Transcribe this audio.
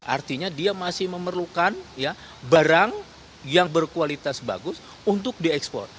artinya dia masih memerlukan barang yang berkualitas bagus untuk diekspor